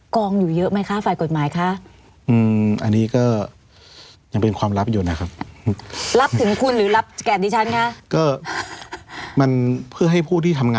กองอยู่เยอะไหมคะฝ่ายกฎหมายคะ